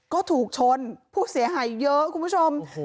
ก็ถูกชนผู้เสียหายเยอะคุณผู้ชม